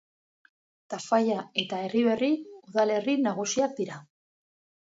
Tafalla eta Erriberri udalerri nagusiak dira.